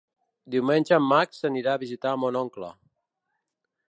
Diumenge en Max anirà a visitar mon oncle.